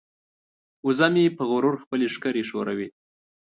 وزه مې په غرور خپلې ښکرې ښوروي.